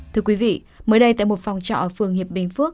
thưa quý vị mới đây tại một phòng trọ ở phường hiệp bình phước